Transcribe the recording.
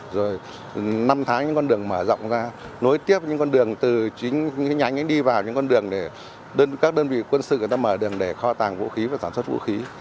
rồi năm tháng những con đường mở rộng ra nối tiếp những con đường từ chính cái nhánh ấy đi vào những con đường để các đơn vị quân sự người ta mở đường để kho tàng vũ khí và sản xuất vũ khí